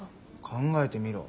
考えてみろ。